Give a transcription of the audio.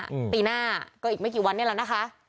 อืมปีหน้าก็อีกไม่กี่วันเนี่ยแล้วนะคะ